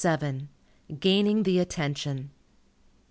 XXVII. GAINING THE ATTENTION.